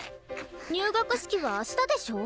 入学式は明日でしょ？